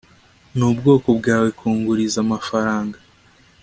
nubwoko bwawe kunguriza amafaranga